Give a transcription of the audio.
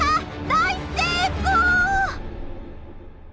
大成功！